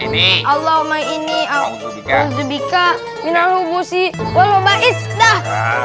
ini allah maini allah subika minal hubusi walohumma isnah